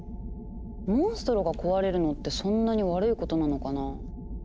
モンストロが壊れるのってそんなに悪いことなのかな？